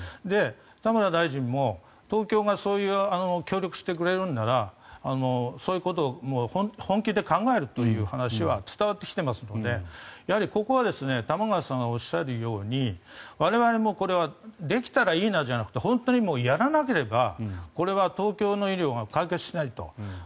田村大臣も東京がそういう協力をしてくれるならそういうことも本気で考えるという話は伝わってきていますので、ここは玉川さんがおっしゃるように我々もこれはできたらいいなじゃなくて本当にやらなければこれは東京の医療が解決しないと。